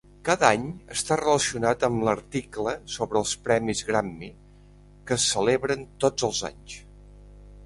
Cada any està relacionat amb l'article sobre els Premis Grammy que es celebren tots els anys.